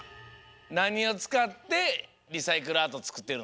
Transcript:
なにをつかってリサイクルアートつくってるの？